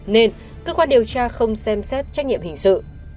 nên cơ quan điều tra không xem xét trách nhiệm hình sự